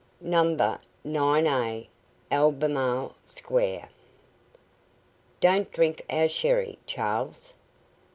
NUMBER 9A, ALBEMARLE SQUARE. "Don't drink our sherry, Charles?"